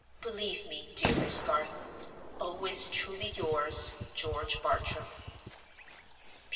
"Believe me, dear Miss Garth, "Always truly yours, "GEORGE BARTRAM.